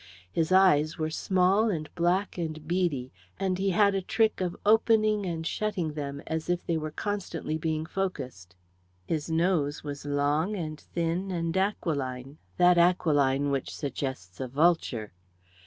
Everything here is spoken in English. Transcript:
His eyes were small, and black, and beady, and he had a trick of opening and shutting them, as if they were constantly being focussed. His nose was long, and thin, and aquiline that aquiline which suggests a vulture.